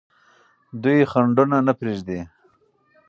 دوی خنډونه نه پرېږدي.